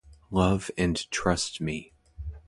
Love and trust me.